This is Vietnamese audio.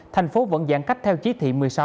thành phố vẫn giãn cách theo chí thị một mươi sáu